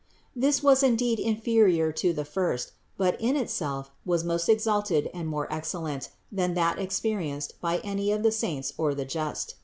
This was indeed inferior to the first, but in itself was most exalted and more excel lent than that experienced by any of the saints or the just.